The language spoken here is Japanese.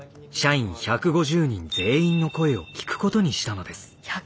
社員１５０人全員の声を聞くことにしたのです。